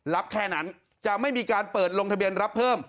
แค่นั้นจะไม่มีการเปิดลงทะเบียนรับเพิ่ม